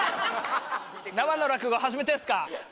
生の落語初めてですか？